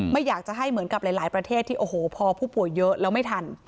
ไม่อยากจะให้เหมือนกับหลายประเทศที่โอ้โหพอผู้ป่วยเยอะแล้วไม่ทัน